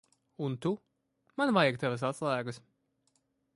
Un tu. Man vajag tavas atslēgas.